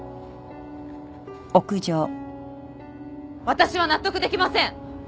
私は納得できません。